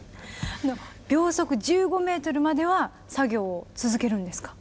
秒速１５ｍまでは作業を続けるんですか？